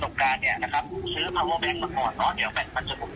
๑๕เปอร์เซ็นต์